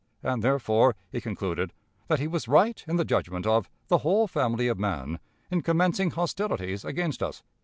And, therefore, he concluded that he was right in the judgment of "the whole family of man" in commencing hostilities against us.